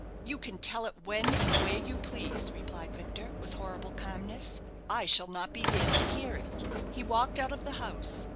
"You can tell it when and where you please," replied Victor, with horrible calmness. "I shall not be there to hear it." He walked out of the house.